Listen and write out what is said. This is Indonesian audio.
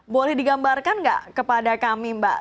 boleh digambarkan nggak kepada kami mbak